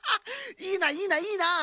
いいないいないいなあ。